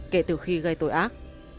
kể từ khi gây tội ác